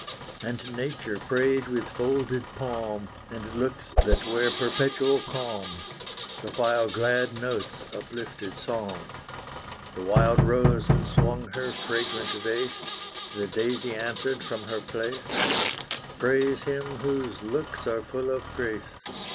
And nature prayed with folded palm, And looks that wear perpetual calm, The while glad notes uplifted psalm. The wild rose swung her fragrant vase, The daisy answered from her place, Praise Him whose looks are full of grace.